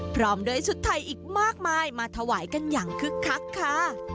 พร้อมด้วยชุดไทยอีกมากมายมาถวายกันอย่างคึกคักค่ะ